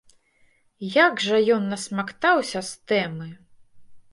Як жа ён насмактаўся з тэмы!